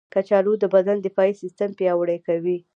کچالو د بدن دفاعي سیستم پیاوړی کوي.